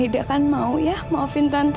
aida kan mau ya maafin tante